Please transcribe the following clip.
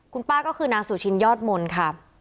คุณป้าก็คือนางสุชินยอดมนต์ค่ะ